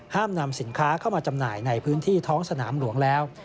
นำสินค้าเข้ามาจำหน่ายในพื้นที่ท้องสนามหลวงแล้ว